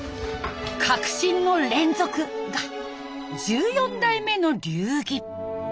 「革新の連続」が１４代目の流儀。